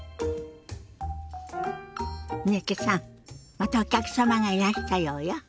またお客様がいらしたようよ。